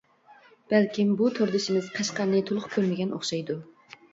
بەلكىم، بۇ توردىشىمىز قەشقەرنى تولۇق كۆرمىگەن ئوخشايدۇ.